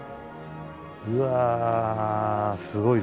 うわすごいですね。